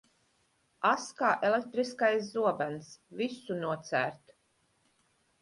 Ass kā elektriskais zobens, visu nocērt.